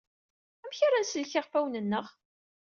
Amek ara nsellek iɣfawen-nneɣ?